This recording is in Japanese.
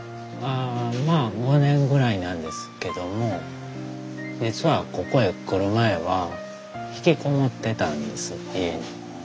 まあ５年ぐらいなんですけども実はここへ来る前は引きこもってたんです家に。